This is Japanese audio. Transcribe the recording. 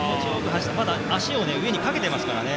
まだ足を上にかけていますからね。